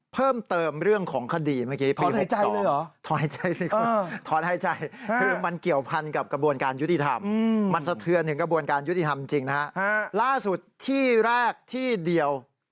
เพิ่มเติมเรื่องของคดีเมื่อกี้ปี๖๒